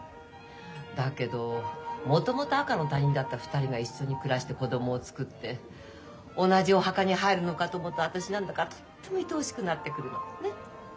だけどもともと赤の他人だった２人が一緒に暮らして子供をつくって同じお墓に入るのかと思うと私何だかとってもいとおしくなってくるの。ね？